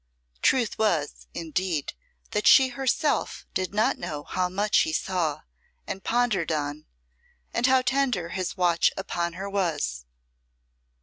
Truth was, indeed, that she herself did not know how much he saw and pondered on and how tender his watch upon her was.